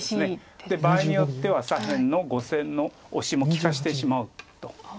場合によっては左辺の５線のオシも利かしてしまおうと。